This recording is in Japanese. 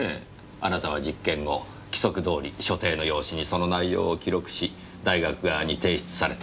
あなたは実験後規則どおり所定の用紙にその内容を記録し大学側に提出された。